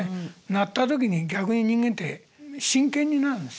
なった時に逆に人間って真剣になるんですよね。